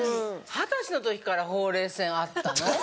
二十歳の時からほうれい線あったの？